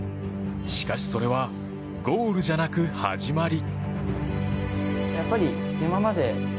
しかし、それはゴールじゃなく始まり。